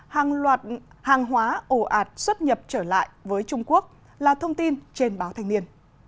hàng loạt hàng hóa ổ ạt xuất nhập trở lại với trung quốc là thông tin trên báo thanh niên